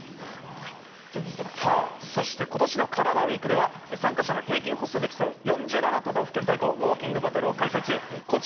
そして今年のカラダＷＥＥＫでは参加者の平均歩数で競う４７都道府県対抗ウォーキングバトルを開催中です。